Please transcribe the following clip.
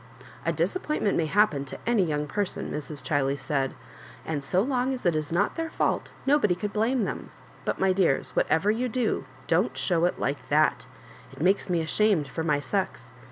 ^' A disappointment may happen to any young person," Mrs. Ghiley said, " and so long as it is not their fault nobody could blame them ; but^ my dears, whatever you do, don't show it like that. It makes me ashamed for my sex.